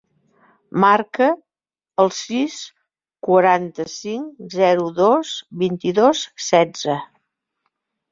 Marca el sis, quaranta-cinc, zero, dos, vint-i-dos, setze.